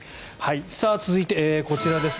続いてこちらですね。